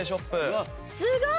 すごい！